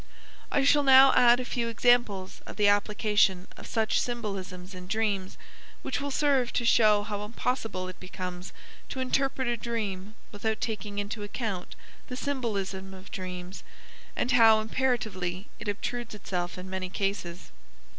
I shall now add a few examples of the application of such symbolisms in dreams, which will serve to show how impossible it becomes to interpret a dream without taking into account the symbolism of dreams, and how imperatively it obtrudes itself in many cases.